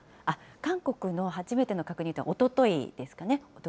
韓国の初めての確認というのはおとといですかね？